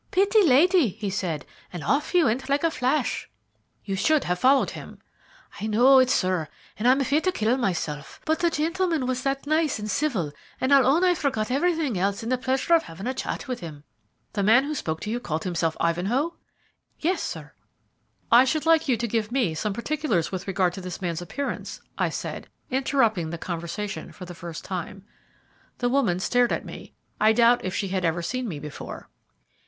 'Pitty lady,' he said, and off he went like a flash." "You should have followed him." "I know it, sir, and I'm fit to kill myself; but the gentleman was that nice and civil, and I'll own I forgot everything else in the pleasure of having a chat with him." "The man who spoke to you called himself Ivanhoe?" "Yes, sir." "I should like you to give me some particulars with regard to this man's appearance," I said, interrupting the conversation for the first time. The woman stared at me. I doubt if she had ever seen me before.